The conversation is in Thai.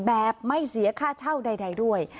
แบบไม่เสียค่าเช่าใดด้วย